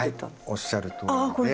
おっしゃるとおりで。